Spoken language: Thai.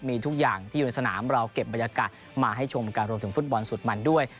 มีทุกอย่างที่อยู่ในสนามเราเก็บบรรยากาศมาให้ชมกันรวมถึงฟุตบอลสุดมันด้วย